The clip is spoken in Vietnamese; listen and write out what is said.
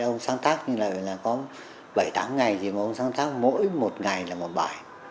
ông sáng tác như là có bảy tám ngày thì một ông sáng tác mỗi một ngày là một bài